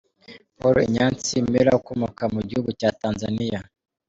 Paul Ignace Mella ukomoka mu gihugu cya Tanzania.